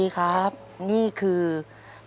ด้วยเงินก้อนนี้ที่เป็นประโยชน์